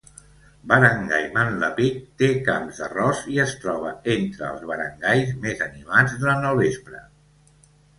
Barangay Manlapig té camps d'arròs i es troba entre els barangays més animats durant el vespre.